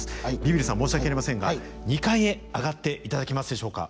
ビビるさん申し訳ありませんが２階へ上がっていただけますでしょうか。